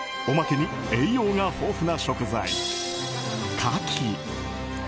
おまけに栄養が豊富な食材かき。